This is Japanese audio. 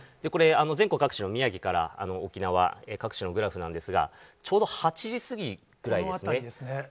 これ、全国各地の、宮城から沖縄、各地のグラフなんですが、ちょうこのあたりですね。